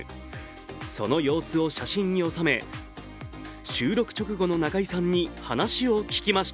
その様子を写真に収め、収録直後の中居さんに話を聞きました。